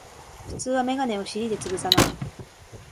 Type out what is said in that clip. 普通はメガネを尻でつぶさない